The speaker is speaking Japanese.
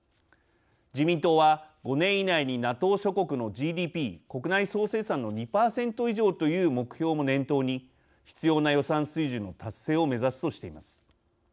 自民党は、５年以内にＮＡＴＯ諸国のＧＤＰ＝国内総生産の２％以上という目標も念頭に必要な予算水準の達成を目指すとしています。